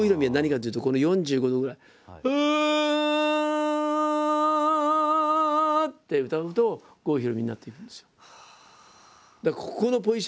「ウ」って歌うと郷ひろみになっていくんですよ。